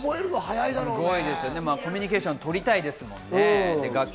コミュニケーションも取りたいですもんね。